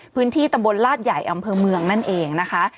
พื้นที่ตำบลลาดใหญ่อำเภอเมืองนั่นเองนะคะ